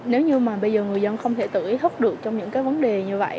nếu như bây giờ người dân không thể tự ý thức được trong những vấn đề như vậy